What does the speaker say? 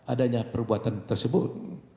adanya perbuatan tersebut